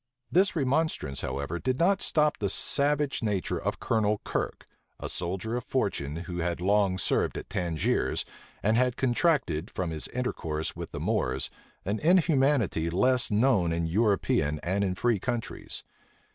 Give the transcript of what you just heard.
This remonstrance, however, did not stop the savage nature of Colonel Kirke, a soldier of fortune, who had long served at Tangiers, and had contracted, from his intercourse with the Moors, an inhumanity less known in European and in free countries.